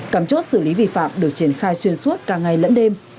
cảm chốt xử lý vi phạm được triển khai xuyên suốt cả ngày lẫn đêm